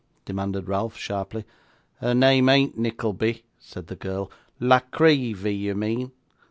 demanded Ralph sharply. 'Her name ain't Nickleby,' said the girl, 'La Creevy, you mean.